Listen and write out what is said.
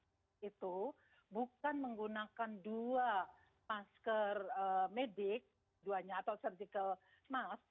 nah itu bukan menggunakan dua masker medik duanya atau surgical smiles